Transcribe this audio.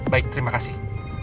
baik terima kasih